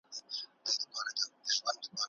انا له ماشوم څخه کرکه کوي.